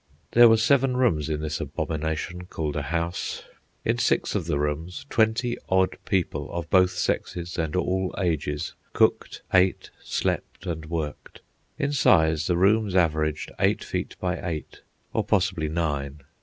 There were seven rooms in this abomination called a house. In six of the rooms, twenty odd people, of both sexes and all ages, cooked, ate, slept, and worked. In size the rooms averaged eight feet by eight, or possibly nine.